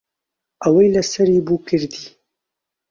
ئەوەی لەسەری بوو کردی.